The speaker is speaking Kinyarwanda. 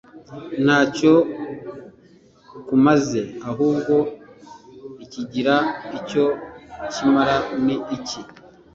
nta cyo kumaze ahubwo ikigira icyo kimara ni iki